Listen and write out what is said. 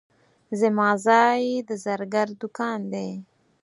زما ځای د زرګر دوکان دی.